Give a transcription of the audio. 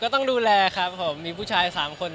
ต้องดูแลครับผมมีผู้ชาย๓คน